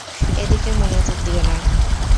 এদিকে মনোযোগ দিও না।